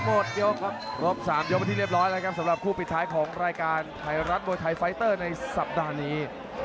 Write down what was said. รอบ๓เดียวเมื่อที่เรียบร้อยละครับสำหรับคู่ปิดท้ายของรายการไทรัศน์โซนไท้ไฟเตอร์ในสัปดาห์นี้